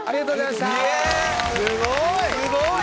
すごい！